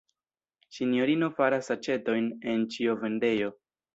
Sinjorino faras aĉetojn en ĉiovendejo.